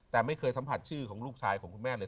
แต่ไม่เคยสัมผัสชื่อของลูกชายของคุณแม่เลย